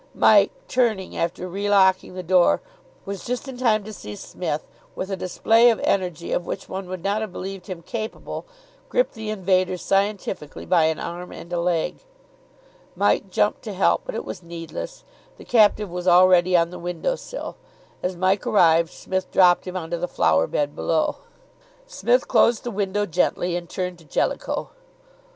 Mike, turning after re locking the door, was just in time to see Psmith, with a display of energy of which one would not have believed him capable, grip the invader scientifically by an arm and a leg. Mike jumped to help, but it was needless; the captive was already on the window sill. As Mike arrived, Psmith dropped him on to the flower bed below. Psmith closed the window gently and turned to Jellicoe.